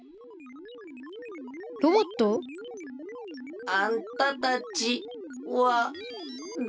ロボット？あんたたちはだれじゃ？